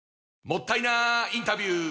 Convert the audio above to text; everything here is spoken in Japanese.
もったいなインタビュー！